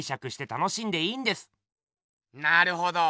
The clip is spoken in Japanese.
なるほど。